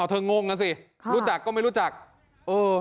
เธองงอ่ะสิค่ะรู้จักก็ไม่รู้จักเออ